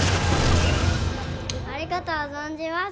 ありがとう存じます